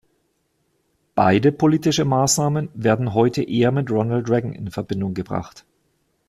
Beide politischen Maßnahmen werden heute eher mit Ronald Reagan in Verbindung gebracht.